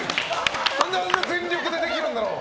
何であんな全力でできるんだろう。